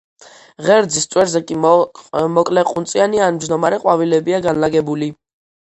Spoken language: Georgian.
ღერძის წვერზე კი მოკლეყუნწიანი ან მჯდომარე ყვავილებია განლაგებული.